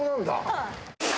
はい。